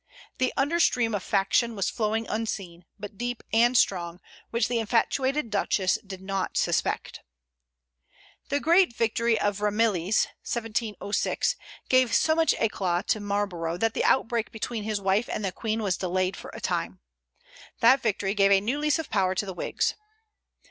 The under stream of faction was flowing unseen, but deep and strong, which the infatuated Duchess did not suspect. The great victory of Ramillies (1706) gave so much éclat to Marlborough that the outbreak between his wife and the Queen was delayed for a time. That victory gave a new lease of power to the Whigs.